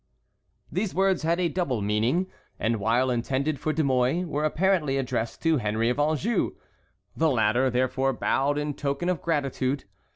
" These words had a double meaning, and, while intended for De Mouy, were apparently addressed to Henry of Anjou. The latter, therefore, bowed in token of gratitude.